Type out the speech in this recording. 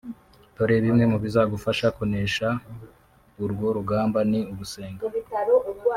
Dore bimwe mu bizagufasha kunesha urwo rugamba ni ugusenga